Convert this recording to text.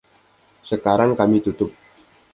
Sekarang kami tutup.